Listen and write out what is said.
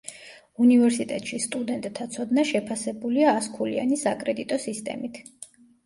უნივერსიტეტში სტუდენტთა ცოდნა შეფასებულია ას ქულიანი საკრედიტო სისტემით.